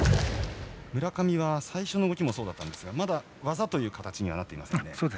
村上は最初の動きもそうだったんですがまだ技という形にはなっていません。